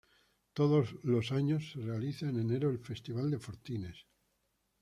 Todos los años se realiza en enero el "Festival de Fortines".